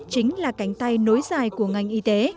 chính là cánh tay nối dài của ngành y tế